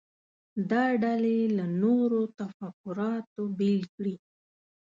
دا ډلې له نورو تفکراتو بیل کړي.